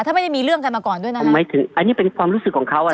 ถ้าไม่ได้มีเรื่องกันมาก่อนด้วยนะผมหมายถึงอันนี้เป็นความรู้สึกของเขาอ่ะ